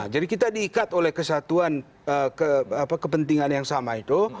jadi kita diikat oleh kesatuan kepentingan yang sama itu